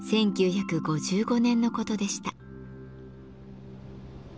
１９５５年のことでした。